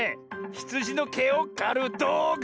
ひつじの「け」をかるどうぐ！